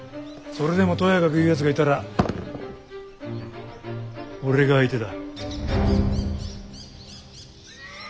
それでもとやかく言うやつがいたら俺が相手だ。